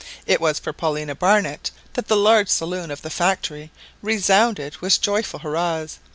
It was for Paulina Barnett that the large saloon of the factory resounded with joyful hurrahs.